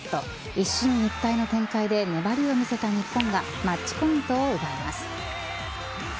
一進一退の展開で粘りを見せた日本がマッチポイントを奪います。